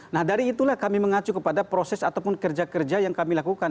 nah dari itulah kami mengacu kepada proses ataupun kerja kerja yang kami lakukan